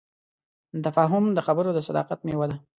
تفاهم د خبرو د صداقت میوه ده.